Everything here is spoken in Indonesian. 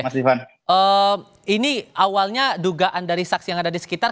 mas ivan ini awalnya dugaan dari saksi yang ada di sekitar